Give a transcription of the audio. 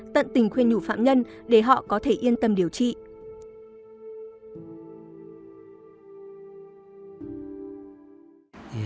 tận tình khuyên nhủ phạm nhân để họ có thể yên tâm điều trị